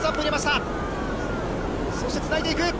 そしてつないでいく。